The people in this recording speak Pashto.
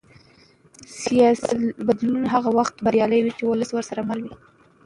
سیاسي بدلون هغه وخت بریالی وي چې ولس ورسره مل وي